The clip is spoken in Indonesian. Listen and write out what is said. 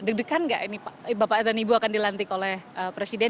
deg degan nggak bapak dan ibu akan dilantik oleh presiden